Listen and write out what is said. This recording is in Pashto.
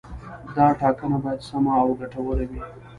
دا ټاکنه باید سمه او ګټوره وي.